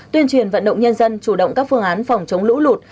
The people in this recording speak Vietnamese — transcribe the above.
tuyên truyền vận động nhân dân chủ động các phương án phòng chống lũ lụt